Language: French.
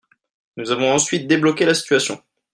Nous avons ensuite débloqué la situation.